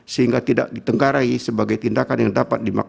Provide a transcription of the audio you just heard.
sehingga tidak ditenggarai sebagai tindakan yang dapat dimaksu